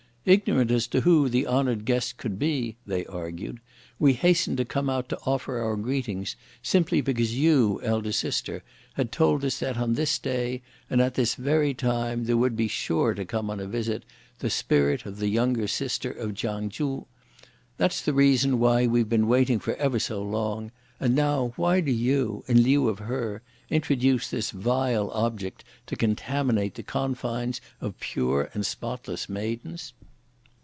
"Ignorant as to who the honoured guest could be," they argued, "we hastened to come out to offer our greetings simply because you, elder sister, had told us that, on this day, and at this very time, there would be sure to come on a visit, the spirit of the younger sister of Chiang Chu. That's the reason why we've been waiting for ever so long; and now why do you, in lieu of her, introduce this vile object to contaminate the confines of pure and spotless maidens?"